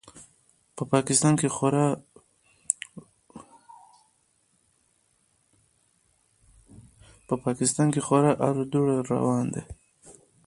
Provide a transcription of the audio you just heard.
په پاکستان کې خورا اړ و دوړ روان دی.